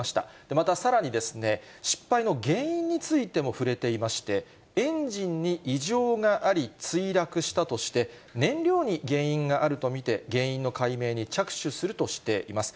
またさらに、失敗の原因についても触れていまして、エンジンに異常があり墜落したとして、燃料に原因があると見て、原因の解明に着手するとしています。